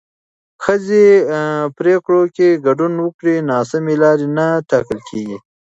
که ښځې پرېکړو کې ګډون وکړي، ناسمې لارې نه ټاکل کېږي.